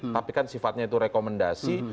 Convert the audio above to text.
tapi kan sifatnya itu rekomendasi